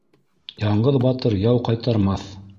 Яңғыҙ батыр яу ҡайтармаҫ.